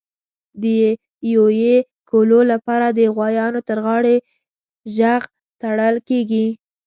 د یویې کولو لپاره د غوایانو تر غاړي ژغ تړل کېږي.